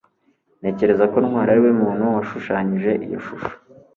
ntekereza ko ntwali ariwe muntu washushanyije iyo shusho